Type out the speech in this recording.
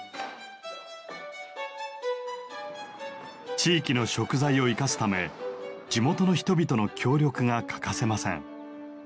地域の食材を生かすため地元の人々の協力が欠かせません。